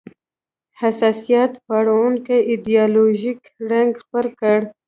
حساسیت پاروونکی ایدیالوژیک رنګ خپل کړ